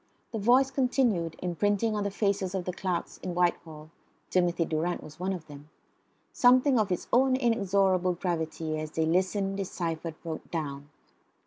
The voice continued, imprinting on the faces of the clerks in Whitehall (Timothy Durrant was one of them) something of its own inexorable gravity, as they listened, deciphered, wrote down.